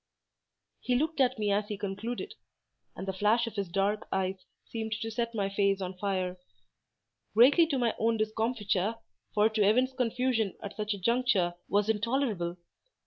He looked at me as he concluded: and the flash of his dark eyes seemed to set my face on fire; greatly to my own discomfiture, for to evince confusion at such a juncture was intolerable.